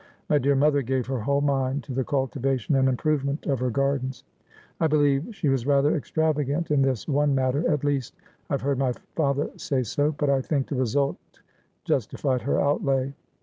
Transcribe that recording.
My dear mother gave her whole mind to the cultivation and improvement of her gardens. I believe she was rather extra vagant in this one matter — at least, I have heard my father say so. But I think the result justified her outlay.'